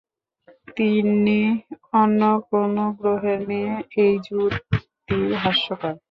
তিন্নি অন্য কোনো গ্রহের মেয়ে, এই যুক্তি হাস্যকর।